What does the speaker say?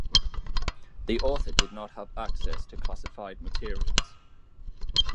The author did not have access to classified materials.